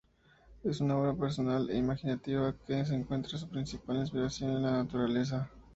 Es una obra personal e imaginativa que encuentra su principal inspiración en la naturaleza.